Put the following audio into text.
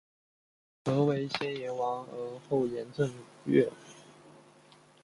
曷为先言王而后言正月？